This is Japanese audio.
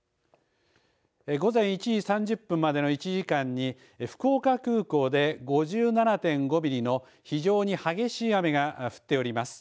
午前１時３０分までの１時間に福岡空港で５７．５ミリの非常に激しい雨が降っております。